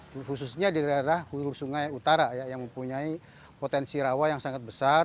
khususnya di daerah hulur sungai utara yang mempunyai potensi rawa yang sangat besar